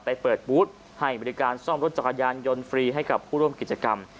ไปเปิดบูธให้บริการซ่อมรถจักรยานยนต์ฟรีให้กับผู้ร่วมกิจกรรม